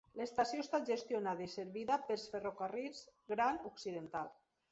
L'estació està gestionada i servida pels Ferrocarrils Gran Occidental.